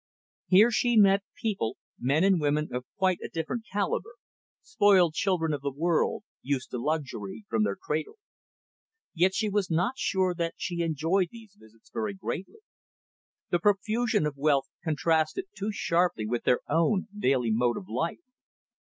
Here she met people, men and women of quite a different calibre, spoiled children of the world, used to luxury from their cradle. Yet she was not sure that she enjoyed these visits very greatly. The profusion of wealth contrasted too sharply with their own daily mode of life.